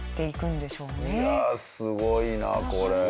いやすごいなこれ。